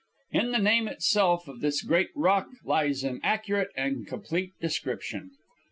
In the name itself of this great rock lies an accurate and complete description.